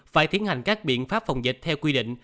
phải tiến hành các biện pháp phòng dịch theo quy định